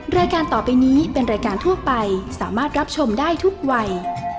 รายการต่อไปนี้เป็นรายการทั่วไปสามารถรับชมได้ทุกวัย